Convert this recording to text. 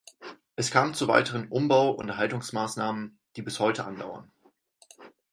Es kam zu weiteren Umbau- und Erhaltungsmaßnahmen, die bis heute andauern.